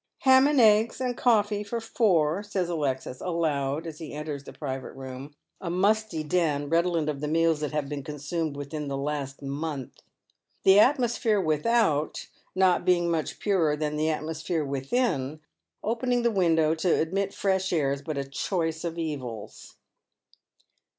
" Ham and eggs and coffee for four," says Alexis, aloud, as he enters the private room — a musty den redolent of the meals that have been consumed within the last month. The atmosphere without not being much purer than the atmosphere within, open ing the window to admit fresh air is but a choice of evils.